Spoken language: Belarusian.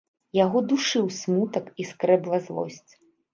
Яго душыў смутак і скрэбла злосць.